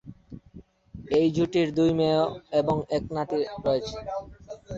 এই জুটির দুই মেয়ে এবং এক নাতি রয়েছে।